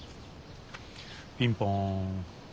ピンポン。